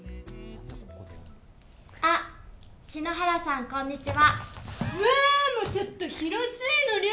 あ、篠原さんこんにちは。